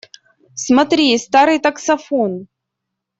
Смотри, старый таксофон!